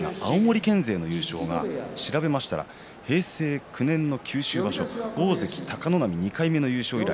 青森県勢の優勝を調べると平成９年の九州場所大関貴ノ浪２回目の優勝以来